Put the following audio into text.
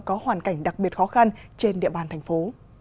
có hoàn cảnh đặc biệt khó khăn trên địa bàn thành phố